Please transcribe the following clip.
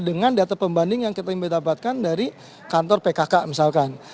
dengan data pembanding yang kita dapatkan dari kantor pkk misalkan